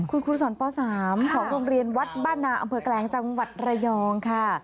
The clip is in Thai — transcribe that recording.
คุณครูสอนป๓ของโรงเรียนวัดบ้านนาอำเภอแกลงจังหวัดระยองค่ะ